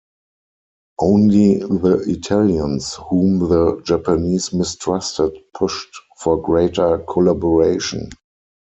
Only the Italians, whom the Japanese mistrusted, pushed for greater collaboration.